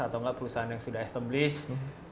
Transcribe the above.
atau nggak perusahaan yang sudah established